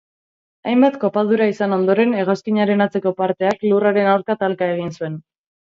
Hainbat kopadura izan ondoren, hegazkinaren atzeko parteak lurraren aurka talka egin zuen.